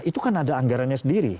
itu kan ada anggarannya sendiri